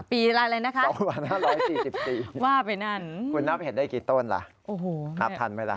ปีอะไรนะครับว่าไปนั่นคุณนับเห็นได้กี่ต้นล่ะนับทันไหมล่ะ